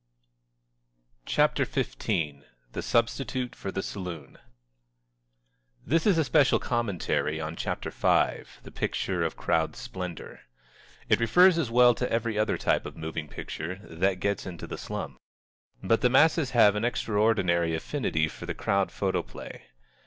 CHAPTER XV THE SUBSTITUTE FOR THE SALOON This is a special commentary on chapter five, The Picture of Crowd Splendor. It refers as well to every other type of moving picture that gets into the slum. But the masses have an extraordinary affinity for the Crowd Photoplay.